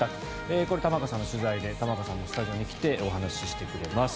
これ、玉川さんの取材で玉川さんがスタジオに来てお話ししていただきます。